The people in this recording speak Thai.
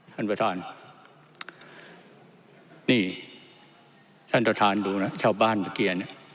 ท่านประธานนี่ท่านประธานดูนะชาวบ้านเมื่อกี้เนี่ย